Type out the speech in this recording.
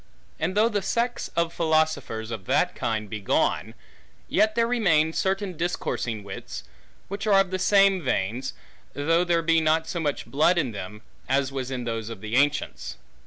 And though the sects of philosophers of that kind be gone, yet there remain certain discoursing wits, which are of the same veins, though there be not so much blood in them, as was in those of the ancients.